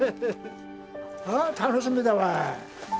ああ楽しみだわい。